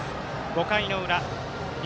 ５回の裏西